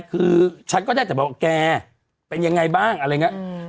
คือฉันก็ได้แต่บอกว่าแกเป็นยังไงบ้างอะไรอย่างนี้